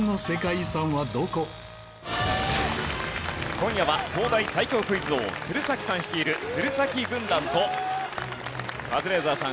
今夜は東大最強クイズ王鶴崎さん率いる鶴崎軍団とカズレーザーさん